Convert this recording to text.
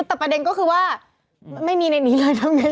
แต่ประเด็นก็คือว่าไม่มีในนี้เลยทั้งนี้